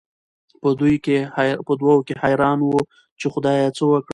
په دوو کې حېران وو، چې خدايه څه وکړم؟